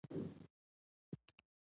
فوتوسنتیز څه ته وایي؟